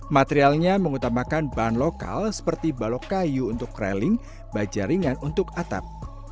materialnya mengutamakan bahan lokal seperti balok kayu untuk kreling bajaringan untuk atap